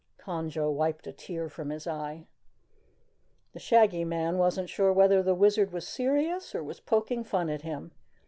Conjo wiped a tear from his eye. The Shaggy Man wasn't sure whether the Wizard was serious or was poking fun at him.